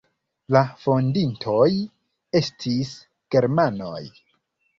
La fondintoj estis germanoj.